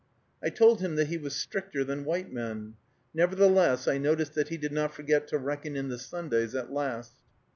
I told him that he was stricter than white men. Nevertheless, I noticed that he did not forget to reckon in the Sundays at last.